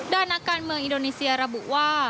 ด้านนักการเมืองอินโดนีเซียระบุว่า